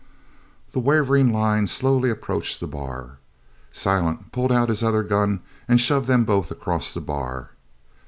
The wavering line slowly approached the bar. Silent pulled out his other gun and shoved them both across the bar.